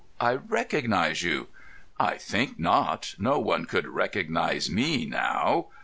I recognise you." "I think not. No one could recognise me now."